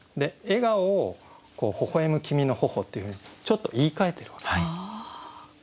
「笑顔」を「ほほえむ君の頬」っていうふうにちょっと言いかえてるわけです。